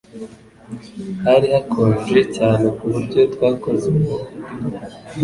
Hari hakonje cyane kuburyo twakoze umuriro.